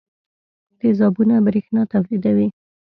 تیزابونه برېښنا تولیدوي.